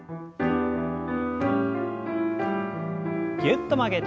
ぎゅっと曲げて。